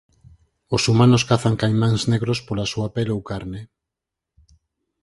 Os humanos cazan caimáns negros pola súa pel ou carne.